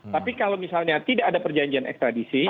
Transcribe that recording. tapi kalau misalnya tidak ada perjanjian ekstradisi